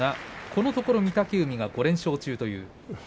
このところ御嶽海が５連勝中です。